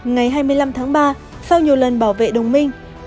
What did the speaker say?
ngày hai mươi năm tháng ba sau nhiều lần bảo vệ đồng minh